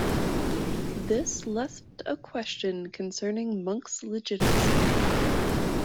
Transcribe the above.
This left a question concerning Monck's legitimacy.